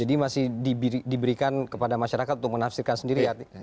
jadi masih diberikan kepada masyarakat untuk menafsirkan sendiri